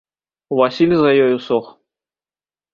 Васіль за ёю сох.